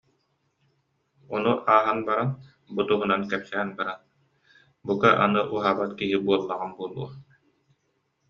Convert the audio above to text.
Ону ааһан бу туһунан кэпсээн баран: «Бука, аны уһаабат киһи буоллаҕым буолуо»